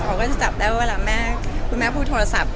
เค้าก็จะจับได้เวลาคุณแมทพูดโทรศัพท์